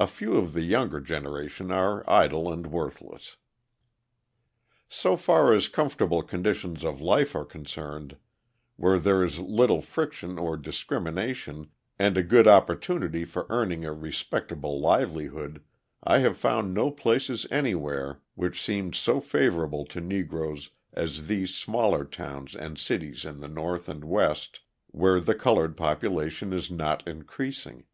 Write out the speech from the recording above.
A few of the younger generation are idle and worthless. So far as comfortable conditions of life are concerned, where there is little friction or discrimination and a good opportunity for earning a respectable livelihood, I have found no places anywhere which seemed so favourable to Negroes as these smaller towns and cities in the North and West where the coloured population is not increasing.